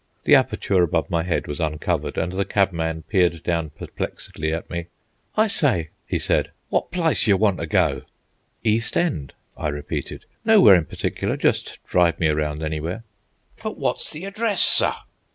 The aperture above my head was uncovered, and the cabman peered down perplexedly at me. "I say," he said, "wot plyce yer wanter go?" "East End," I repeated. "Nowhere in particular. Just drive me around anywhere." "But wot's the haddress, sir?"